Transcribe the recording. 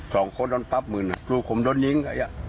สองคนโดนปั๊บหมื่นลูกผมโดนยิง